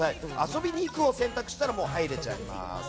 「遊びにいく」を選択したら入れちゃいます。